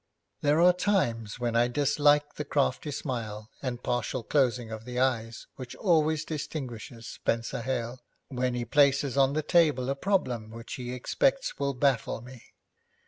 There are times when I dislike the crafty smile and partial closing of the eyes which always distinguishes Spenser Hale when he places on the table a problem which he expects will baffle me.